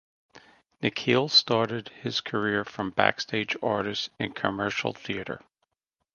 Nikhil started his career from backstage artist in commercial theater.